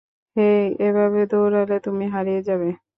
হেই, এভাবে দৌড়ালে তুমি হারিয়ে যাবে!